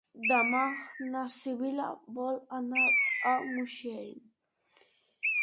Demà na Sibil·la vol anar a Moixent.